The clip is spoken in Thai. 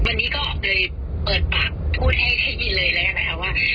วันนี้ก็เลยเปิดปากพูดให้ได้ยินเลยแล้วนะคะว่า